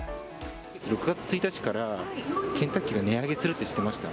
６月１日からケンタッキーが値上げするって知ってました？